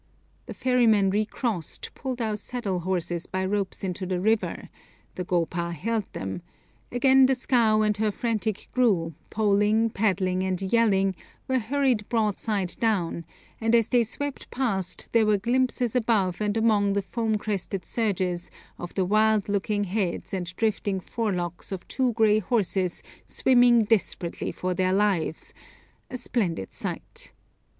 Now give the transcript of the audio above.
The ferrymen recrossed, pulled our saddle horses by ropes into the river, the gopa held them; again the scow and her frantic crew, poling, paddling, and yelling, were hurried broadside down, and as they swept past there were glimpses above and among the foam crested surges of the wild looking heads and drifting forelocks of two grey horses swimming desperately for their lives, a splendid sight.